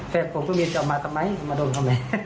แค่ผมก็ไม่ได้เอามาทำไมเอามาดมทำไม